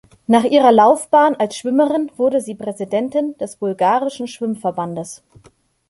Nach ihrer Laufbahn als Schwimmerin wurde sie Präsidentin des bulgarischen Schwimmverbandes.